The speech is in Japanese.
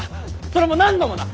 それも何度もだ。